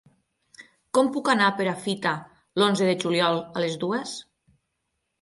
Com puc anar a Perafita l'onze de juliol a les dues?